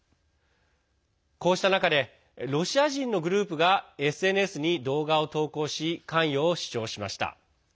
こうした中でロシア人のグループがＳＮＳに動画を投稿し関与を主張しました。